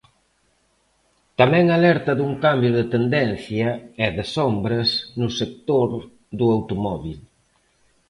Tamén alerta dun cambio de tendencia e de sombras no sector do automóbil.